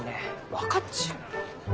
分かっちゅう。